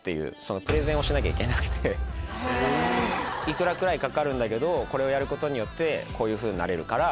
幾らくらいかかるんだけどこれをやることによってこういうふうになれるから。